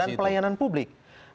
dan pelayanan publik